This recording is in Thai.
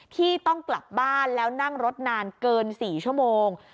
ที่ต้องกลับบ้านแล้วนั่งรถนานเกิน๔ชั่วโมง